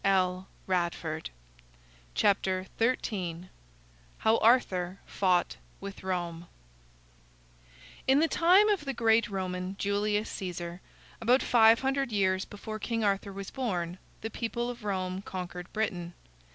[Illustration: The Shield] HOW ARTHUR FOUGHT WITH ROME In the time of the great Roman, Julius Cæsar, about five hundred years before King Arthur was born, the people of Rome conquered Britain.